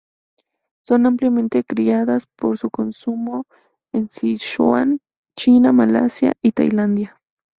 Son ampliamente criadas para su consumo en Sichuan, China, Malasia y Tailandia.